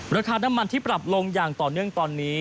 ราคาน้ำมันที่ปรับลงอย่างต่อเนื่องตอนนี้